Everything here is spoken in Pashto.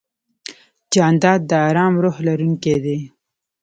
جانداد د ارام روح لرونکی دی.